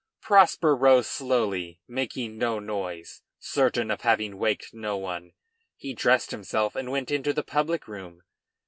] Prosper rose slowly, making no noise. Certain of having waked no one, he dressed himself and went into the public room.